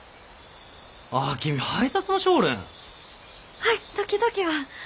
はい時々は。